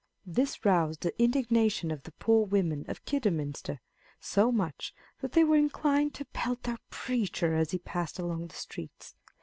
This roused the indignation of the poor women of Kidderminster so much, that they were inclined to pelt their preacher as he passed along the streets.